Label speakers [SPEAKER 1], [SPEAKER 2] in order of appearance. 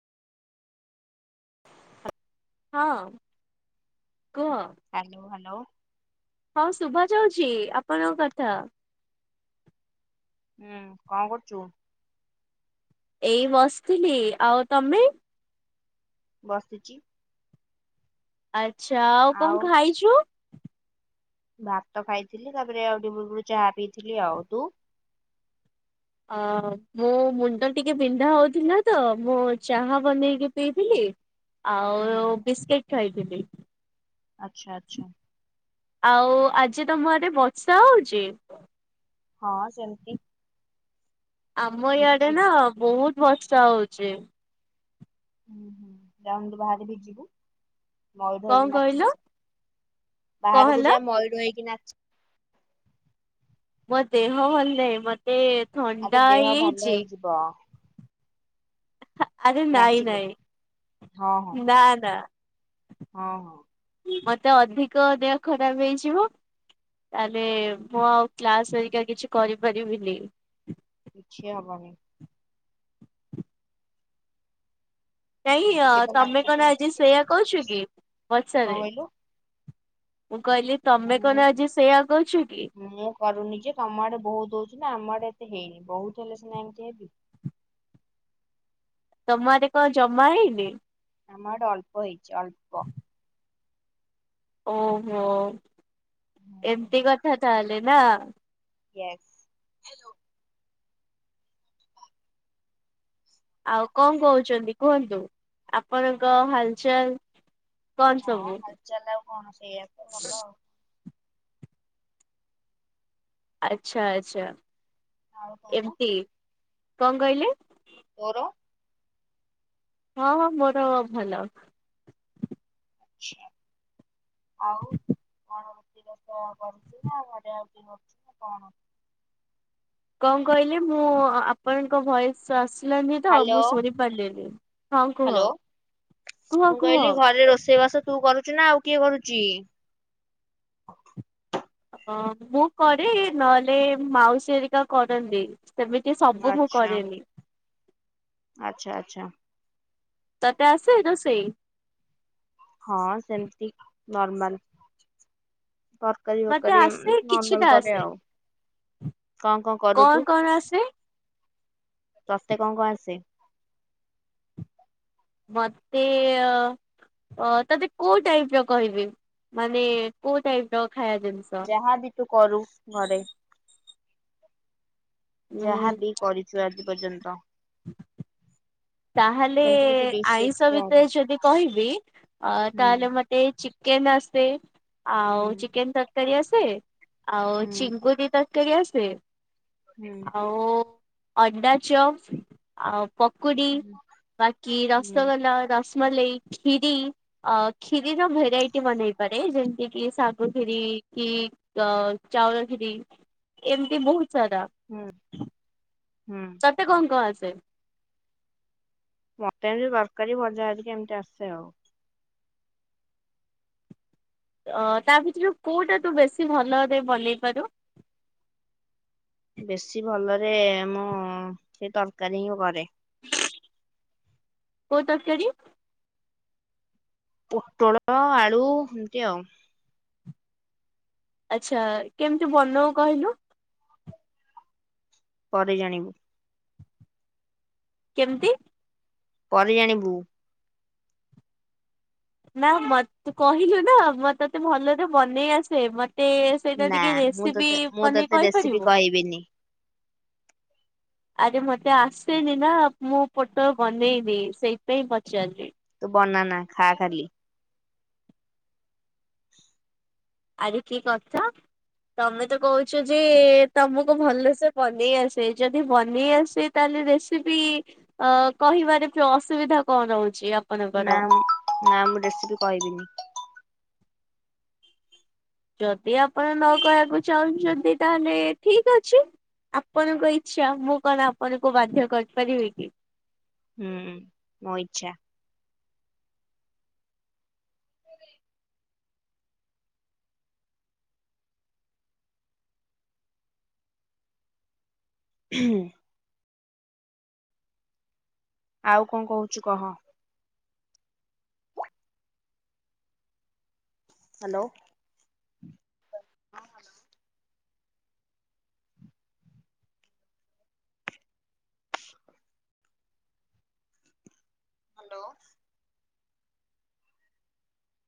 [SPEAKER 1] ହଁ, କୁହ?
[SPEAKER 2] Hello, hello.
[SPEAKER 1] ହଁ ଶୁଭାଯାଉଛି ଆପଣଙ୍କ କଥା।
[SPEAKER 2] ହୁଁ କଣ କରୁଚୁ?
[SPEAKER 1] ଏଇ ବସିଥିଲି ଆଉ ତମେ?
[SPEAKER 2] ବସିଛି।
[SPEAKER 1] ଆଚ୍ଛା ଆଉ କଣ ଖାଇଛୁ?
[SPEAKER 2] ଭାତ ଖାଇଥିଲି ତାପରେ ଆଉ ଟିକେ ପୂର୍ବରୁ ଚାହା ପିଇଥିଲି ଆଉ, ତୁ?
[SPEAKER 1] ଅଁ ମୁଁ ମୁଣ୍ଡ ଟିକେ ବିନ୍ଧା ହଉଥିଲା ତ ମୁଁ ଚାହା ବନେଇକି ପିଇଥିଲି।
[SPEAKER 2] ହୁଁ।
[SPEAKER 1] ଆଉ ବିସ୍କିଟ ଖାଇଥିଲି।
[SPEAKER 2] ଆଚ୍ଛା ଆଚ୍ଛା।
[SPEAKER 1] ଆଉ ଆଜି ତମ ଆଡ଼େ ବର୍ଷା ହଉଛି?
[SPEAKER 2] ହଁ ସେମିତି।
[SPEAKER 1] ଆମ
[SPEAKER 2] ଝିପ୍
[SPEAKER 1] ଇଆଡେ
[SPEAKER 2] ଝିପ୍
[SPEAKER 1] ନା ବହୁତ ବର୍ଷା ହଉଛି।
[SPEAKER 2] ହୁଁ ହୁଁ ଯାଉନୁ ତୁ ବାହାରିକି ଯିବୁ। ମୟୁର
[SPEAKER 1] କଣ
[SPEAKER 2] ହେଇକି
[SPEAKER 1] କହିଲ?
[SPEAKER 2] ନାଚିବୁ,
[SPEAKER 1] କଣ
[SPEAKER 2] ବାହାରକୁ
[SPEAKER 1] ହେଲା
[SPEAKER 2] ଯା ମୟୁର ହେଇକି ନାଚି
[SPEAKER 1] ମୋ ଦେହ ଭଲ ନାହିଁ ମତେ
[SPEAKER 2] ଆବେ
[SPEAKER 1] ଥଣ୍ଡା
[SPEAKER 2] ଦେହ ଭଲ
[SPEAKER 1] ହେଇଚି।
[SPEAKER 2] ହେଇଯିବ
[SPEAKER 1] ଆରେ ନାଇଁ
[SPEAKER 2] ନାଚିଲେ
[SPEAKER 1] ନାଇଁ,
[SPEAKER 2] ହଁ ହଁ
[SPEAKER 1] ନା ନା।
[SPEAKER 2] ହଁ, ହଁ।
[SPEAKER 1] ମତେ ଅଧିକ ଦେହ ଖରାପ ହେଇଯିବ। ତାହେଲେ ମୁଁ ଆଉ କ୍ଲାସ ହେରିକା କିଛି କରିପାରିବିନି।
[SPEAKER 2] କିଛି ହବନି।
[SPEAKER 1] ନାଇଁ ଅ
[SPEAKER 2] ଟିକେ ତ
[SPEAKER 1] ତମେ
[SPEAKER 2] ନାଚିବୁ ଆଉ
[SPEAKER 1] କଣ ଆଜି ସେୟା କହୁଛ କି ବର୍ଷାରେ?
[SPEAKER 2] କହିଲୁ
[SPEAKER 1] ମୁଁ କହିଲି ତମେ
[SPEAKER 2] ମୁଁ
[SPEAKER 1] କଣ ଆଜି ସେଇଆଗ [unintelligible] ଅଛ କି।
[SPEAKER 2] ମୁଁ କରୁନି ଯେ ତମ ଆଡେ ବୋହୁତ ହୋଉଛି ନା ଆମ ଆଡେ ଏତେ ହେଇନି ବହୁତ ହେଲେ ସିନା ଏମିତି ହେବି।
[SPEAKER 1] ତମ ଆଡେ କଣ ଜମା ହେଇନି?
[SPEAKER 2] ଆମ ଆଡେ ଅଳ୍ପ ହେଇଛି ଅଳ୍ପ।
[SPEAKER 1] ଓହୋ
[SPEAKER 2] ହୁଁ।
[SPEAKER 1] ଏମତି କଥା ତାହେଲେ ନା।
[SPEAKER 2] ୟସ୍।
[SPEAKER 1] ଆଉ କଣ କୋହୁଛନ୍ତି କୁହନ୍ତୁ ଆପଣଙ୍କ ହାଲଚାଲ୍?
[SPEAKER 2] ହଁ ହାଲଚାଲ୍ ଆଉ କଣ ସେଇଆ ତ ଭଲ।
[SPEAKER 1] ଆଚ୍ଛା ଆଚ୍ଛା
[SPEAKER 2] ଆଉ ତୋର
[SPEAKER 1] ଏମତି କଣ କହି
[SPEAKER 2] ମୋର [unintelligible]
[SPEAKER 1] ହଁ ହଁ ମୋର ଭଲ।
[SPEAKER 2] ଆଛା ଆଉ କଣ? ସ କରୁଛି ନା ଆଉ ଘ ଆଉ ଅଛି ନା କଣ ଅଛି [unintelligible]
[SPEAKER 1] କଣ କହିଲି ମୁଁ ଆପଣଙ୍କ ଭଏସ୍ ଭଏସ୍ ଆସିଲାନି ତ
[SPEAKER 2] ହାଲୋ
[SPEAKER 1] ମୁଁ ଶୁଣି ପାରିଲିନି ହଁ କୁହ
[SPEAKER 2] ହାଲୋ
[SPEAKER 1] କୁହ
[SPEAKER 2] ମୁଁ
[SPEAKER 1] କୁହ।
[SPEAKER 2] କହିଲି ଘରେ ରୋଷେଇବାସ ତୁ କରୁଛୁ ନା ଆଉ କିଏ କରୁଛି?
[SPEAKER 1] ହଁ ମୁଁ କରେ ନହେଲେ ମାଉସୀ ହେରିକା କରନ୍ତି। ସେମିତି ସବୁ ମୁଁ
[SPEAKER 2] ଆଚ୍ଛା
[SPEAKER 1] କରେନି।
[SPEAKER 2] ଆଚ୍ଛା ଆଚ୍ଛା।
[SPEAKER 1] ତତେ ଆସେ ରୋଷେଇ?
[SPEAKER 2] ହଁ ସେମିତି ନର୍ମାଲ୍। ତରକାରୀ
[SPEAKER 1] ମତେ
[SPEAKER 2] ବକାରୀ
[SPEAKER 1] ଆସେ କିଛିଟା
[SPEAKER 2] ନର୍ମାଲ କରେ
[SPEAKER 1] ଆସେ।
[SPEAKER 2] ଆଉ। କଣ କଣ କରୁ ତୁ?
[SPEAKER 1] କଣ ଆସେ?
[SPEAKER 2] ତତେ କଣ କଣ ଆସେ?
[SPEAKER 1] ମତେ ଅ ତତେ କୋଉ ଟାଇପ୍ ର କହିବି ମାନେ କୋଉ ଟାଇପ୍ ର ଖା
[SPEAKER 2] ଯାହାବି ତୁ କରୁ ଘରେ।
[SPEAKER 1] ଉଁ
[SPEAKER 2] ଯାହାବି କରିଛୁ ଆଜି ପର୍ଯ୍ୟନ୍ତ।
[SPEAKER 1] [inaudible] ତାହେଲେ
[SPEAKER 2] ସେମିତି କିଛି ଡିସ୍ ଫିସ୍
[SPEAKER 1] ଆଇଁଷ ଭିତରେ
[SPEAKER 2] ହୁଁ
[SPEAKER 1] ଯଦି କହିବି ଅ
[SPEAKER 2] ହୁଁ
[SPEAKER 1] ତାହେଲେ ମତେ ଏ ଚିକେନ୍ ଆସେ। ଆଉ
[SPEAKER 2] ହୁଁ
[SPEAKER 1] ଚିକେନ୍ ତରକାରୀ ଆସେ? ଆଉ ଚିଙ୍ଗୁଡି ତରକାରୀ ଆସେ
[SPEAKER 2] ହୁଁ
[SPEAKER 1] ଆଉ ଅଣ୍ଡା ଚପ୍ ଆଉ ପକୁଡି।
[SPEAKER 2] ହୁଁ [inaudible]
[SPEAKER 1] ବାକି
[SPEAKER 2] ହୁଁ
[SPEAKER 1] ରସଗୋଲା ରସମଲେଇ ଖିରି। ଖିରି ର ଭେରାଇଟି ବନେଇ ପାରେ ଯେମିତି କି ଶାଗୁ ଖିରି କି ତ ଚାଉଳ ଖିରି ଏମିତି ବୋହୁତ ସାରା।
[SPEAKER 2] ହୁଁ ହୁଁ।
[SPEAKER 1] ତତେ କଣ କଣ ଆସେ?
[SPEAKER 2] ମତେ ଏମିତି ତରକାରୀ ଭଜା ହେରିକା ଏମିତି ଆସେ।
[SPEAKER 1] ଅ ତା ଭିତରୁ କୋଉଟା ତୁ ବେଶୀ ଭଲରେ ବନେଇ ପାରୁ?
[SPEAKER 2] ବେଶୀ ଭଲରେ ମୁଁ ସେ ତରକାରୀ ହିଁ ବନେ
[SPEAKER 1] କୋଉ ତରକାରୀ?
[SPEAKER 2] ପୋଟଳ ଆଳୁ ଏମିତି ଆଉ।
[SPEAKER 1] ଆଚ୍ଛା କେମିତି ବନୋଉ କହିଲୁ?
[SPEAKER 2] ପରେ ଜାଣିବୁ।
[SPEAKER 1] କେମତି?
[SPEAKER 2] ପରେ ଜାଣିବୁ।
[SPEAKER 1] ନା ମତୁ କହିଲୁ ନା ମ ତତେ ଭଲରେ ବନେଇ ଆସେ ମତେ ସେଇଟା
[SPEAKER 2] ନା
[SPEAKER 1] ଟିକେ
[SPEAKER 2] ମୁଁ
[SPEAKER 1] ରେସିପି
[SPEAKER 2] ତତେ ମୁଁ
[SPEAKER 1] ବନେଇ
[SPEAKER 2] ତତେ
[SPEAKER 1] କହିପାରିବୁ?
[SPEAKER 2] ରେସିପି କହିବିନି।
[SPEAKER 1] ଆରେ ମତେ ଆସେନି ନା ମୁଁ ପୋଟୋ ବନେଇନି ସେଇପାଇଁ ପଚାରିଲି।
[SPEAKER 2] ତୁ ବନାନା ଖା ଖାଲି।
[SPEAKER 1] ଆରେ କିଏ କଥା ତମେ ତ କହୁଚ ଯେ ତମକୁ ଭଲସେ ବନେଇ ଆସେ ଯଦି ବନେଇ ଆସେ ତାହେଲେ ରେସିପି ଅ କହିବାରେ ଅସୁବିଧା କଣ ରହୁଚି ଆ
[SPEAKER 2] ନା ନା ମୁଁ ରେସିପି କହିବିନି।
[SPEAKER 1] ଯଦି ଆପଣ ନ କହିଆକୁ ଚାହୁଁଚନ୍ତି ତାହେଲେ ଠିକ ଅଛି। ଆପଣଙ୍କ ଇଛା। ମୁଁ କଣ ଆପଣଙ୍କୁ ବାଧ୍ୟ କରିପାରିବି କି?
[SPEAKER 2] ହୁଁ ମୋ ଇଚ୍ଛା। ହ ହୁଁ ଆଉ କଣ କହୁଚୁ କହ। ହ୍ୟାଲୋ। ହଁ ହଲୋ। ହ୍ୟାଲୋ।